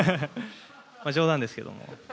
冗談ですけども。